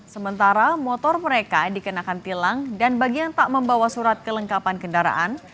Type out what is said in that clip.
sementara motor mereka dikenakan tilang dan bagi yang tak membawa surat kelengkapan kendaraan